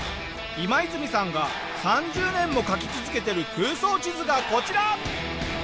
イマイズミさんが３０年も描き続けてる空想地図がこちら。